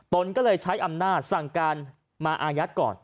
ตนก็เลยใช้อำนาจสั่งการมาอายัดก่อน